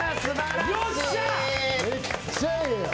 めっちゃええやん。